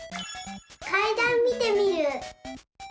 「かいだん」見てみる。